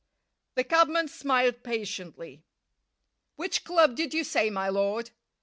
The cabman smiled patiently. "Which club did you say, my lord?"